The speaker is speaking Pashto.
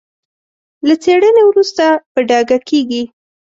له څېړنې وروسته په ډاګه کېږي.